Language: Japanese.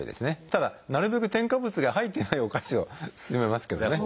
ただなるべく添加物が入ってないお菓子を勧めますけどね。